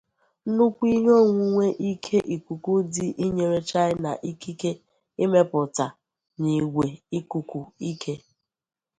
Nnukwu ihe onwunwe ike ikuku dị nyere China ikike ịmepụta n'igwe ikuku ike.